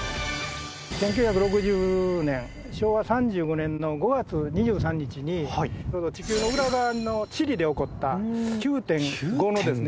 １９６０年昭和３５年の５月２３日に地球の裏側のチリで起こった９．５のですね